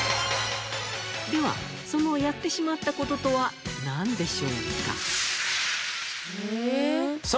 ではそのやってしまった事とはなんでしょうか？